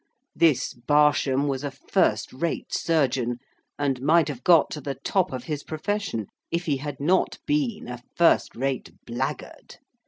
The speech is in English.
This Barsham was a first rate surgeon, and might have got to the top of his profession, if he had not been a first rate blackguard.